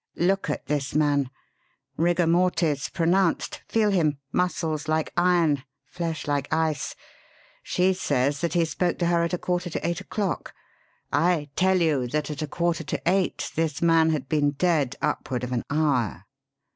Look at this man. Rigor mortis pronounced. Feel him muscles like iron, flesh like ice! She says that he spoke to her at a quarter to eight o'clock. I tell you that at a quarter to eight this man had been dead upward of an hour!"